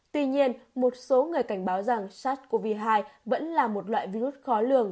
tuy nhiên một số người cảnh báo rằng sars cov hai vẫn là một loại virus khó lường